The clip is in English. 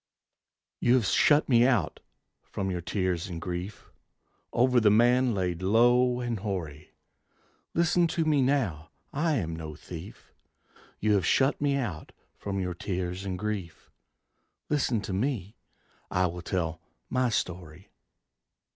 You have shut me out from your tears and grief Over the man laid low and hoary. Listen to me now: I am no thief! You have shut me out from your tears and grief, Listen to me, I will tell my story.